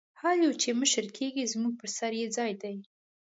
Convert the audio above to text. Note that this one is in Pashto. هر یو چې مشر کېږي زموږ پر سر یې ځای دی.